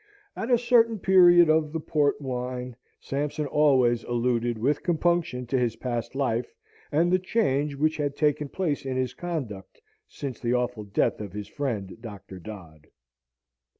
At a certain period of the port wine Sampson always alluded with compunction to his past life, and the change which had taken place in his conduct since the awful death of his friend Doctor Dodd.